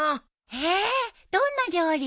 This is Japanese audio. へえどんな料理？